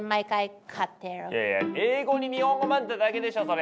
いやいや英語に日本語交ぜただけでしょそれ！